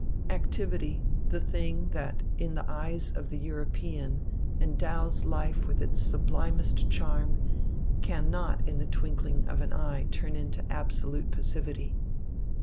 Activity, the thing that in the eyes of the European endows life with its sublimest charm, cannot in the twinkling of an eye turn into absolute passivity.